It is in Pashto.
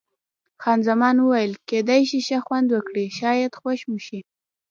خان زمان وویل: کېدای شي ښه خوند وکړي، شاید خوښ مو شي.